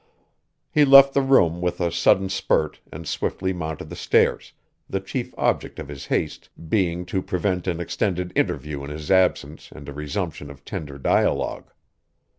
He left the room with a sudden spurt and swiftly mounted the stairs, the chief object of his haste being to prevent an extended interview in his absence and a resumption of tender dialogue.